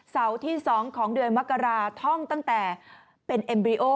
ที่๒ของเดือนมกราท่องตั้งแต่เป็นเอ็มบริโอ